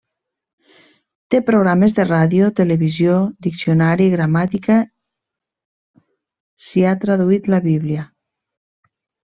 Té programes de ràdio, televisió, diccionari, gramàtica s'hi ha traduït la bíblia.